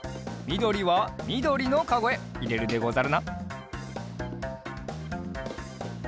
みどりはみどりのカゴへいれるでござるな。